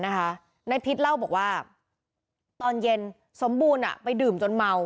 นายพิษเล่าบอกว่าตอนเย็นสมบูรณ์ไปดื่มจนเมา